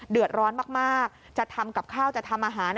เดือดร้อนมากจะทำกับข้าวจะทำอาหาร